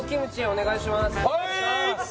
お願いします